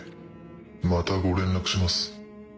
またご連絡します。